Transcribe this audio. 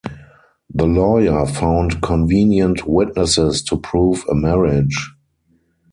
The lawyer found convenient witnesses to prove a marriage.